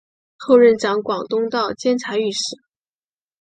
后任掌广东道监察御史。